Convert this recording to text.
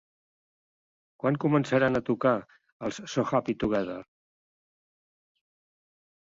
Quan començaran a tocar els So Happy Together?